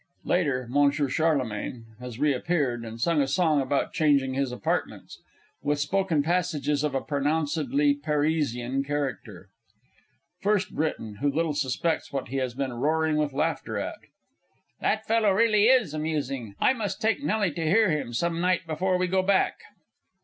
[Later M. CHARLEMAGNE _has re appeared, and sung a song about changing his apartments, with spoken passages of a pronouncedly Parisian character_. FIRST B. (who little suspects what he has been roaring with laughter at). That fellow really is amusing. I must take Nellie to hear him some night before we go back.